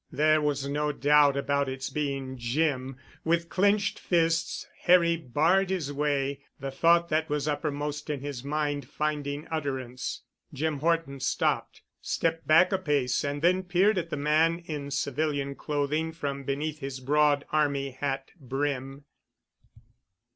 There was no doubt about its being Jim. With clenched fists Harry barred his way, the thought that was uppermost in his mind finding utterance. Jim Horton stopped, stepped back a pace and then peered at the man in civilian clothing from beneath his broad army hat brim.